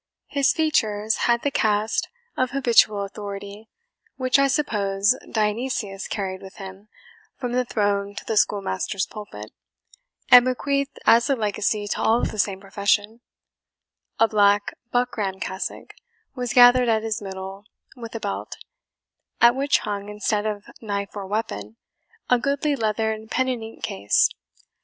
His features had the cast of habitual authority, which I suppose Dionysius carried with him from the throne to the schoolmaster's pulpit, and bequeathed as a legacy to all of the same profession, A black buckram cassock was gathered at his middle with a belt, at which hung, instead of knife or weapon, a goodly leathern pen and ink case.